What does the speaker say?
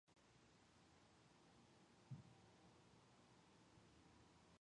Gisborough Priory is characterised by a few highly visible remains.